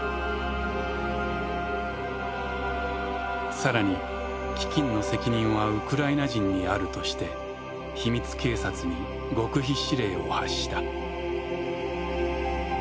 更に飢きんの責任はウクライナ人にあるとして秘密警察に極秘指令を発した。